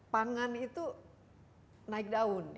pangan itu naik daun